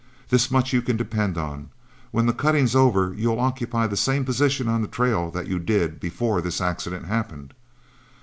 This much you can depend on: when the cutting's over, you'll occupy the same position on the trail that you did before this accident happened.